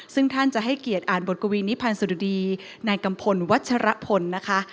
ซึ่งท่านจะให้เกียรติอ่านบทกวีนิพันธ์สุรดีนายกัมพลวัชรพลนะคะ